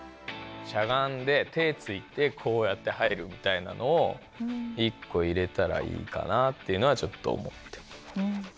しゃがんで手ついてこうやって入るみたいなのを１こ入れたらいいかなっていうのはちょっと思って。